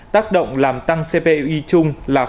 tác động làm tăng cpi chung là sáu mươi chín